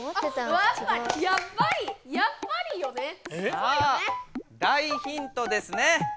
さあ大ヒントですね。